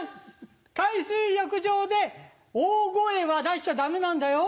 海水浴場で大声は出しちゃダメなんだよ。